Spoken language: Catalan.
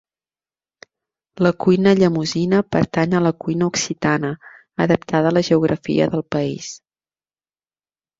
La cuina llemosina pertany a la cuina occitana, adaptada a la geografia del país.